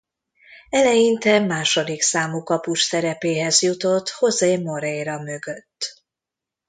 Eleinte második számú kapus szerepéhez jutott José Moreira mögött.